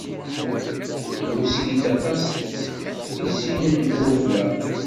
Hhuskint aṭas teftisin n Huevla.